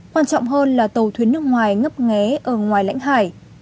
quan trọng hơn là tàu thuyền nước ngoài ngấp nghé ở ngoài lãnh hải